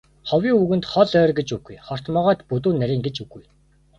Ховын үгэнд хол ойр гэж үгүй, хорт могойд бүдүүн нарийн гэж үгүй.